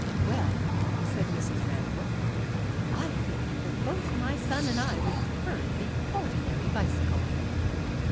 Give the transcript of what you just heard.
"Well," said Mrs. Randall, "I think that both my son and I would prefer the ordinary bicycle."